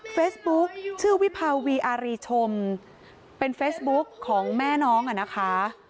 เฟซบุ๊คชื่อวิภาวีอารีชมเป็นเฟซบุ๊คของแม่น้องอ่ะนะคะ